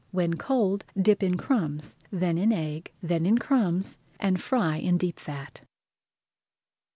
When cold dip in crumbs, then in egg, then in crumbs, and fry in deep fat.